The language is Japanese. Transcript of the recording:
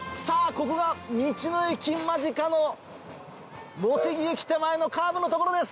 ここが道の駅間近の茂木駅手前のカーブの所です！